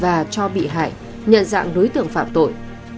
và cho bị hại nhận dạng đối tượng phạm tội